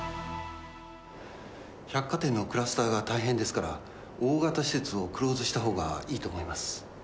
百貨店のクラスターが大変ですから、大型施設をクローズしたほうがいいと思います。